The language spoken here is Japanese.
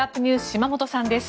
島本さんです。